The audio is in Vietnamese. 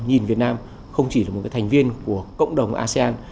nhìn việt nam không chỉ là một cái thành viên của cộng đồng asean